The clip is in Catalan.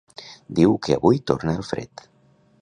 Diu que avui torna el fred